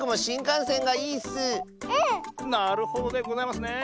なるほどでございますね。